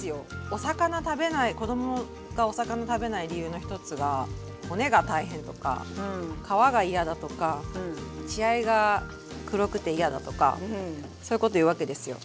お魚食べない子供がお魚食べない理由の一つが骨が大変とか皮が嫌だとか血合いが黒くて嫌だとかそういうこと言うわけですよ。